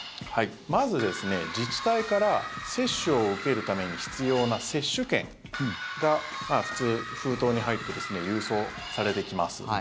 まず、自治体から接種を受けるために必要な接種券が普通、封筒に入って郵送されてきます。